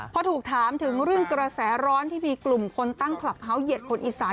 พอถูกถามถึงเรื่องกระแสร้อนที่มีกลุ่มคนตั้งคลับเฮาสเหยียดคนอีสาน